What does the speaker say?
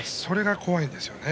怖いですよね。